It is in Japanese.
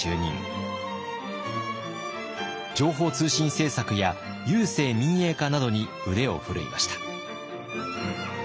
情報通信政策や郵政民営化などに腕を振るいました。